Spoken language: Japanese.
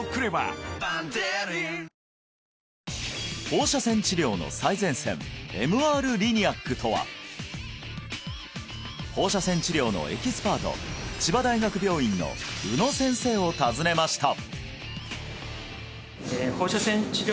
放射線治療の最前線放射線治療のエキスパート千葉大学病院の宇野先生を訪ねました